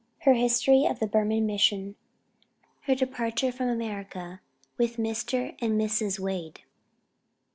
HER HISTORY OF THE BURMAN MISSION. HER DEPARTURE FROM AMERICA WITH MR. AND MRS. WADE.